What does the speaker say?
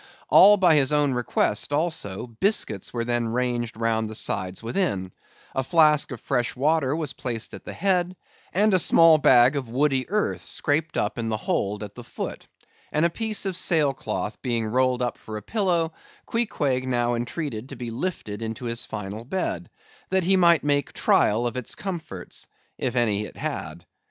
All by his own request, also, biscuits were then ranged round the sides within: a flask of fresh water was placed at the head, and a small bag of woody earth scraped up in the hold at the foot; and a piece of sail cloth being rolled up for a pillow, Queequeg now entreated to be lifted into his final bed, that he might make trial of its comforts, if any it had.